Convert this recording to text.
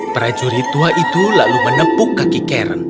prajurit tua itu lalu menepuk kaki karen